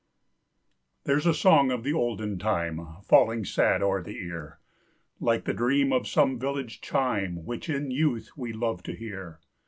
There's a song of the olden time, Falling sad o'er the ear, Like the dream of some village chime, Which in youth we loved to hear.